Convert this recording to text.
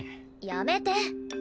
やめて。